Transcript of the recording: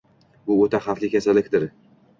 Bu o‘ta xavfli kasallikdir.